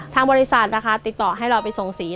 ทางบริษัทนะคะติดต่อให้เราไปส่งสี